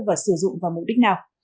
và sử dụng vào mục đích nào